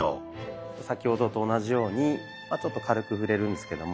先ほどと同じようにちょっと軽く触れるんですけども。